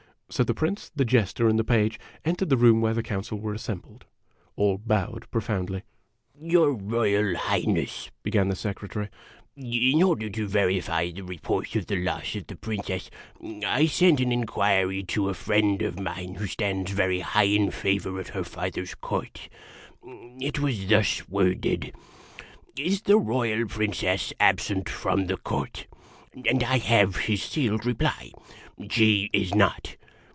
So the Prince, the Jester, and the Page entered the room where the Council were assembled. All bowed profoundly. " Your Royal Highness," began the Secretary, " in order to verify the report of the loss of the Princess, I sent an inquiry to a friend of IMAGINOTIONS mine who stands very high in favor at her father's court. It was thus worded :' Is the Royal Princess absent from the Court ?' And I have his sealed reply: ' She is not.'